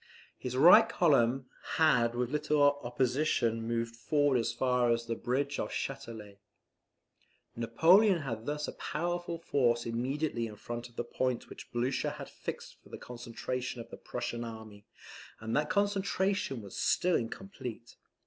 His right column had with little opposition moved forward as far as the bridge of Chatelet. Napoleon had thus a powerful force immediately in front of the point which Blucher had fixed for the concentration of the Prussian army, and that concentration was still incomplete.